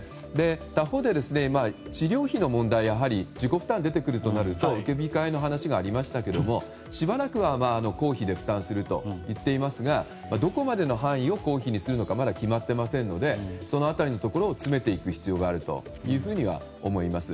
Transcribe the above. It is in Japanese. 他方で、治療費の問題はやはり自己負担が出てくると思うので控えの話が出てきましたがしばらくは公費で負担するといっていますがどこまでの範囲を公費にするのかまだ決まっていませんのでその辺りのところを詰めていく必要があるというふうには思います。